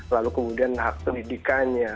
lalu kemudian hak pendidikannya